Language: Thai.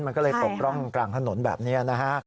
มันก็เลยตกร่องกลางถนนแบบนี้นะฮะ